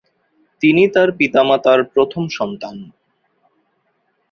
তিনি তার পিতামাতার প্রথম সন্তান।